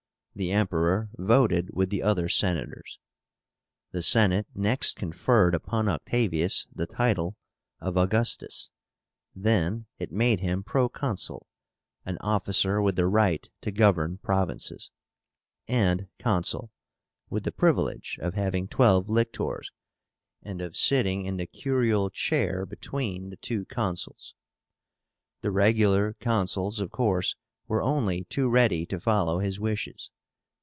The Emperor voted with the other Senators. The Senate next conferred upon Octavius the title of AUGUSTUS; then it made him Proconsul (an officer with the right to govern provinces), and Consul, with the privilege of having twelve lictors, and of sitting in the curule chair between the two Consuls. The regular Consuls, of course, were only too ready to follow his wishes.